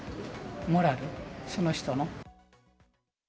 モラル、その人の。